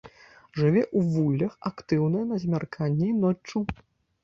Жыве ў вуллях, актыўная на змярканні і ноччу.